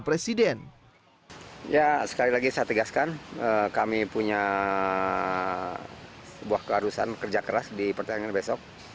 presiden ya sekali lagi saya tegaskan kami punya sebuah keharusan kerja keras di pertandingan besok